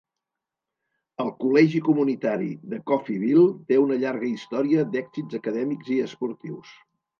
El Col·legi Comunitari de Coffeyville té una llarga història d'èxits acadèmics i esportius.